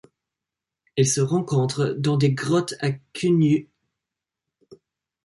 Elle se rencontre dans des grottes à Cunyu.